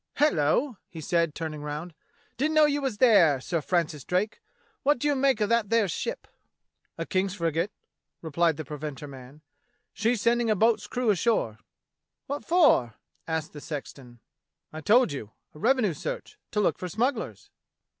"Hello!" he said, turning round; "didn't know you was there. Sir Francis Drake. What do you make of that there ship.^" "A King's frigate," replied the preventer man. "She's sending a boat's crew ashore." "What for.f^" asked the sexton. "I told you: a revenue search; to look for smugglers."